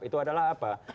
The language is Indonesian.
itu adalah apa